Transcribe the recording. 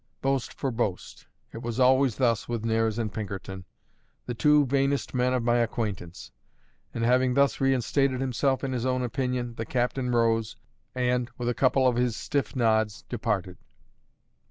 Boast for boast; it was always thus with Nares and Pinkerton the two vainest men of my acquaintance. And having thus reinstated himself in his own opinion, the captain rose, and, with a couple of his stiff nods, departed.